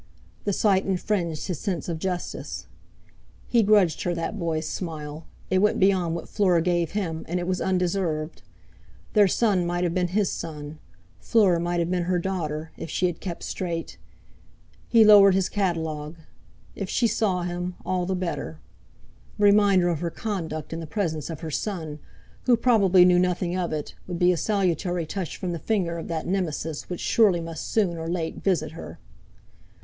The sight infringed his sense of justice. He grudged her that boy's smile—it went beyond what Fleur gave him, and it was undeserved. Their son might have been his son; Fleur might have been her daughter, if she had kept straight! He lowered his catalogue. If she saw him, all the better! A reminder of her conduct in the presence of her son, who probably knew nothing of it, would be a salutary touch from the finger of that Nemesis which surely must soon or late visit her!